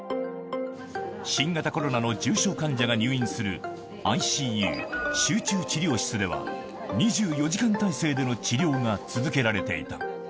新型コロナの重症患者が入院するＩＣＵ・集中治療室では、２４時間体制での治療が続けられていた。